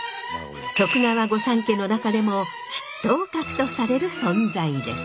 徳川御三家の中でも筆頭格とされる存在です。